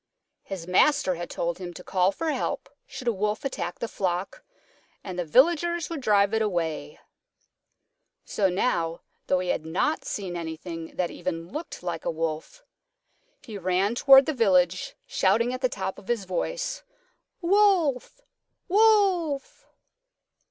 His Master had told him to call for help should a Wolf attack the flock, and the Villagers would drive it away. So now, though he had not seen anything that even looked like a Wolf, he ran toward the village shouting at the top of his voice, "Wolf! Wolf!"